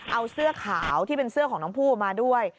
เอาเสื้อขาวที่เป็นเสื้อของน้องผู้มาด้วย